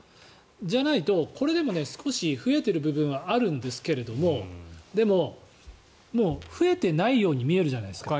じゃないとこれでも少し増えている部分はあるんですけどでも、もう増えてないように見えるじゃないですか。